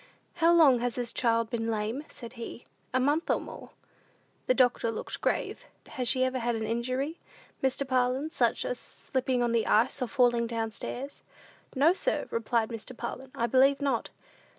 "How long has this child been lame?" said he. "A month or more." The doctor looked grave. "Has she ever had an injury, Mr. Parlin, such as slipping on the ice, or falling down stairs?" "No, sir," replied Mr. Parlin, "I believe not."